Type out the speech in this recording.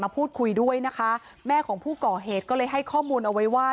พูดคุยด้วยนะคะแม่ของผู้ก่อเหตุก็เลยให้ข้อมูลเอาไว้ว่า